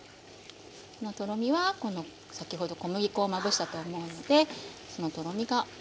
とろみは先ほど小麦粉をまぶしたと思うのでそのとろみが。